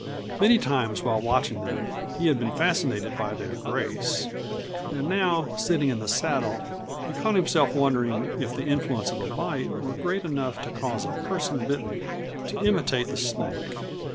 Many times, while watching them, he had been fascinated by their grace, and now, sitting in the saddle, he caught himself wondering if the influence of a bite were great enough to cause the person bitten to imitate the snake.